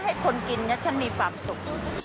ให้คนกินฉันมีความสุข